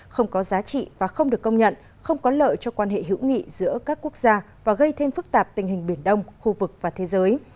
không có giá trị và không được công nhận không có lợi cho quan hệ hữu nghị giữa các quốc gia và gây thêm phức tạp tình hình biển đông khu vực và thế giới